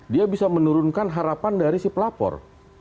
dia bisa menurunkan harapan dari si pelapor